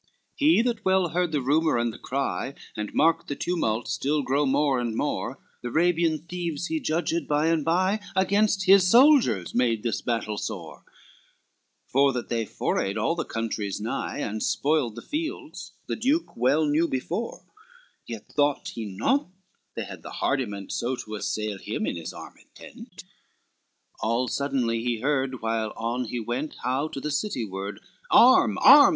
XLII He that well heard the rumor and the cry, And marked the tumult still grow more and more, The Arabian thieves he judged by and by Against his soldiers made this battle sore; For that they forayed all the countries nigh, And spoiled the fields, the duke knew well before, Yet thought he not they had the hardiment So to assail him in his armed tent. XLIII All suddenly he heard, while on he went, How to the city ward, "Arm, arm!"